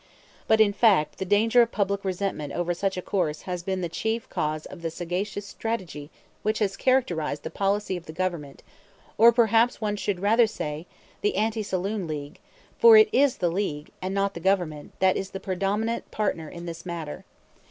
But in fact the danger of public resentment over such a course has been the chief cause of the sagacious strategy which has characterized the policy of the Government; or perhaps one should rather say, the Anti Saloon League, for it is the League, and not the Government, that is the predominant partner in this matter.